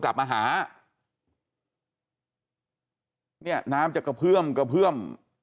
กลับมาหาเนี่ยน้ำจะกระเพื่อมกระเพื่อม